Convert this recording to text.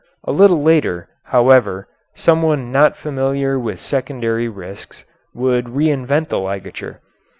A little later, however, someone not familiar with secondary risks would reinvent the ligature.